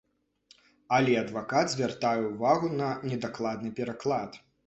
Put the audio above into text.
Але адвакат звяртае ўвагу на недакладны пераклад.